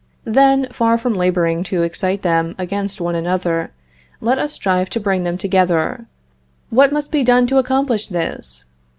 Then, far from laboring to excite them against one another, let us strive to bring them together. What must be done to accomplish this?